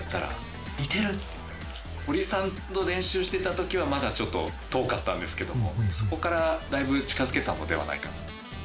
ホリさんと練習してた時はまだちょっと遠かったんですけどもそこからだいぶ近づけたのではないかな。